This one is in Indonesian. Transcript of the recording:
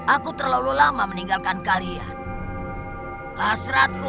aku masih mencari tumbal yang cocok